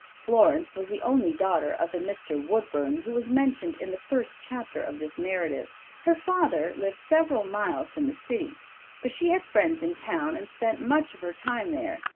Florence was the only daughter of the Mr. Woodburn, who was mentioned in the first chapter of this narrative. Her father lived several miles from the city, but she had friends in town and spent much of her time there.